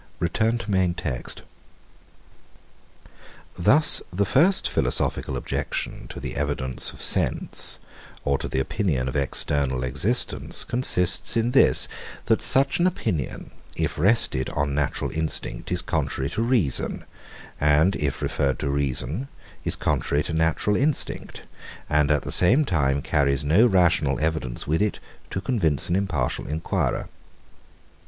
123. Thus the first philosophical objection to the evidence of sense or to the opinion of external existence consists in this, that such an opinion, if rested on natural instinct, is contrary to reason, and if referred to reason, is contrary to natural instinct, and at the same time carries no rational evidence with it, to convince an impartial enquirer.